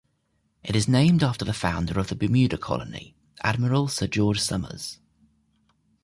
It is named after the founder of the Bermuda colony, Admiral Sir George Somers.